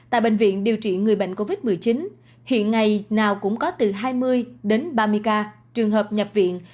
tại bệnh viện điều trị người bệnh covid một mươi chín hiện ngày nào cũng có từ hai mươi đến ba mươi ca trường hợp nhập viện